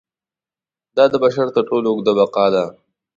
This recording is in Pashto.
دا د بشر تر ټولو اوږده بقا ده.